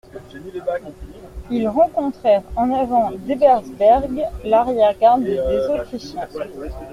Ils rencontrèrent en avant d'Ebersberg l'arrière-garde des Autrichiens.